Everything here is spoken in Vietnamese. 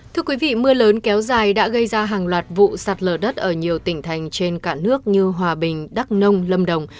thưa quý vị mưa lớn kéo dài đã gây ra hàng loạt vụ sạt lở đất ở nhiều tỉnh thành trên cả nước như hòa bình đắk nông lâm đồng